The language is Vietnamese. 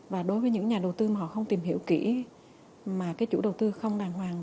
và đối với những nhà đầu tư mà họ không tìm hiểu kỹ mà cái chủ đầu tư không đàng hoàng